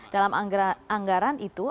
dalam anggaran itu